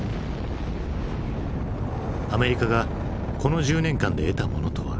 アメリカがこの１０年間で得たものとは。